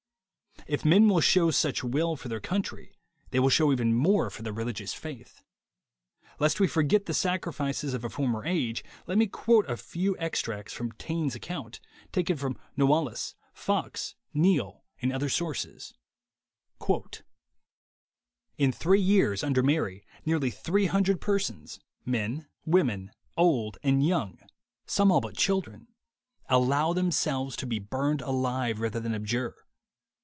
If men will show such will for their country, they will show even more for their religious faith. Lest we forget the sacrifices of a former age, let me quote a few extracts from Taine's account, taken from Noailles, Fox, Neal, and other sources : "In three years, under Mary, nearly three hun dred persons, men, women, old and young, some all 127 128 THE WAY TO WILL POWER but children, allowed themselves to be burned alive rather than abjure.